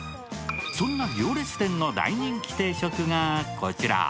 そんな行列店の大人気定食がこちら。